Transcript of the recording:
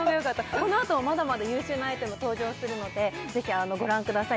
このあともまだまだ優秀なアイテム登場するのでぜひご覧ください